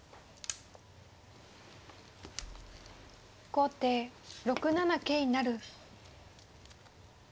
後手６七桂成。